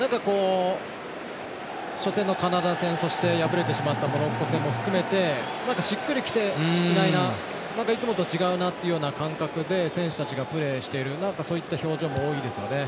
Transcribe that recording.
初戦のカナダ戦そして敗れてしまったモロッコ戦も含めてしっくりきていないないつもと違うなという感覚で選手たちがプレーしているそういった表情も多いですよね。